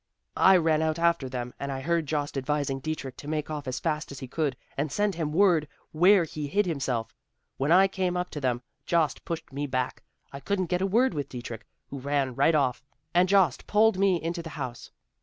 I ran out after them, and I heard Jost advising Dietrich to make off as fast as he could, and send him word where he hid himself. When I came up to them, Jost pushed me back; I couldn't get a word with Dietrich, who ran right off, and Jost pulled me into the house.